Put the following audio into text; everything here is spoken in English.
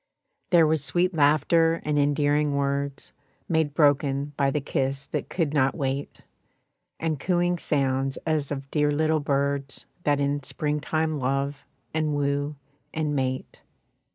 There was sweet laughter and endearing words, Made broken by the kiss that could not wait, And cooing sounds as of dear little birds That in spring time love and woo and mate.